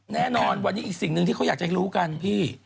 แน่นอนวันนี้อีกสิ่งหนึ่งที่เขาอยากจะรู้กันพี่